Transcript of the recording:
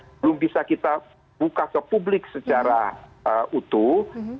belum bisa kita buka ke publik secara utuh